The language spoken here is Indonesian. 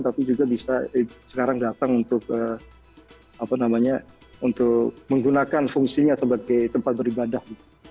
tapi juga bisa sekarang datang untuk apa namanya untuk menggunakan fungsinya sebagai tempat beribadah